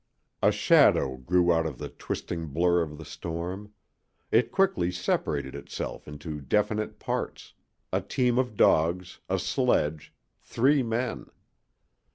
A shadow grew out of the twisting blur of the storm. It quickly separated itself into definite parts a team of dogs, a sledge, three men.